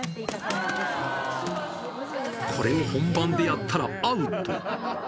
これを本番でやったらアウト。